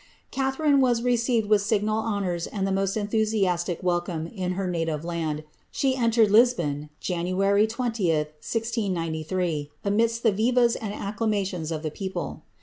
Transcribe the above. * Catharine was received with signal honours and the most enthusiastic sicome in her native land. She entered Lisbon, Jan. 20th, 1693, lidst the vivas and acclamations of the people.